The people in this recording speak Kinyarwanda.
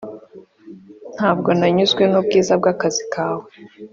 ntabwo nanyuzwe nubwiza bwakazi kawe.